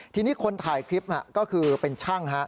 ทีนี้คนถ่ายคลิปก็คือเป็นช่าง